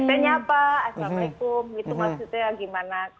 saya nyapa assalamualaikum gitu maksudnya gimana